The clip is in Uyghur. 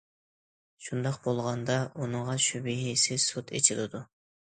شۇنداق بولغاندا ئۇنىڭغا شۈبھىسىز سوت ئېچىلىدۇ.